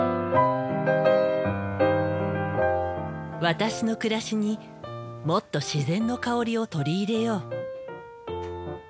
私の暮らしにもっと自然の香りを取り入れよう。